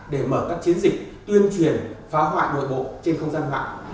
để mở các chiến dịch tuyên truyền phá hoại nội bộ trên không gian mạng